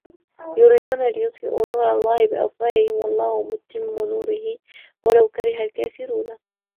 يُريدونَ لِيُطفِئوا نورَ اللَّهِ بِأَفواهِهِم وَاللَّهُ مُتِمُّ نورِهِ وَلَو كَرِهَ الكافِرونَ